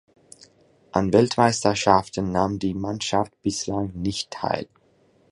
An Weltmeisterschaften nahm die Mannschaft bislang nicht teil.